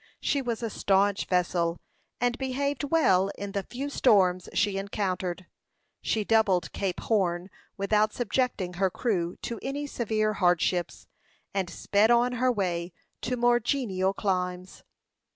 She was a stanch vessel, and behaved well in the few storms she encountered. She doubled Cape Horn without subjecting her crew to any severe hardships, and sped on her way to more genial climes.